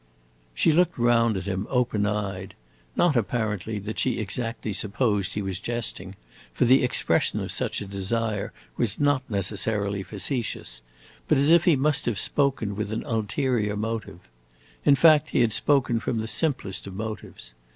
She looked round at him, open eyed; not, apparently, that she exactly supposed he was jesting, for the expression of such a desire was not necessarily facetious; but as if he must have spoken with an ulterior motive. In fact, he had spoken from the simplest of motives.